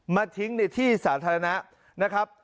มาทิ้งในที่สาธารณะนะครับ